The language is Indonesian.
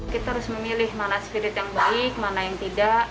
kita harus memilih mana spirit yang baik mana yang tidak